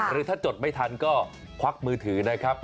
หรือถ้าจดไม่ทันก็ควักมือถือนะครับ